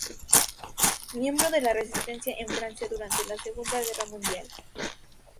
Miembro de la resistencia en Francia durante la Segunda Guerra Mundial.